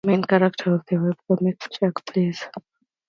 The main character of the webcomic, Check, Please!